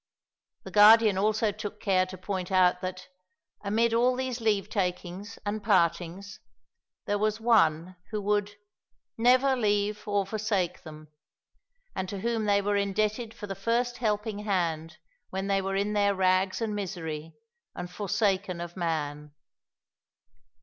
The Guardian also took care to point out that, amid all these leave takings and partings, there was One who would "never leave nor forsake" them, and to whom they were indebted for the first helping hand, when they were in their rags and misery, and forsaken of man.